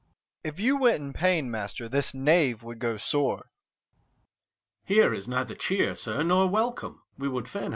_ If you went in pain, master, this 'knave' would go sore. 65 Aug. Here is neither cheer, sir, nor welcome: we would fain have either.